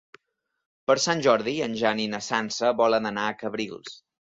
Per Sant Jordi en Jan i na Sança volen anar a Cabrils.